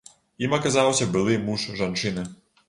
Ім аказаўся былы муж жанчыны.